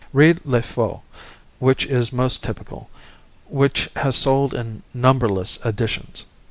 Read "Le Feu," which is most typical, which has sold in numberless editions.